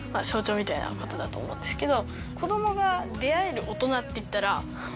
みたいなことだと思うんですけど。